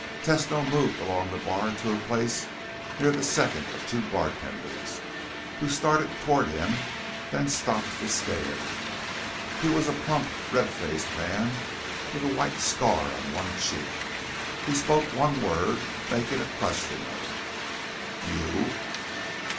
Tesno moved along the bar to a place near the second of two bartenders, who started toward him, then stopped to stare. He was a plump, red faced man with a white scar on one cheek. He spoke one word, making a question of it. "You?"